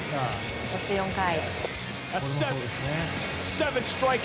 そして４回。